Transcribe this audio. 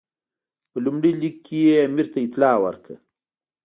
په خپل لومړي لیک کې یې امیر ته اطلاع ورکړه.